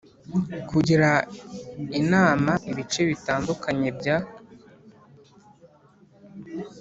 Kugira inama ibice bitandukanye bya